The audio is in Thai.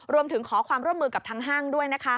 รวมถึงขอความร่วมมือกับทางห้างด้วยนะคะ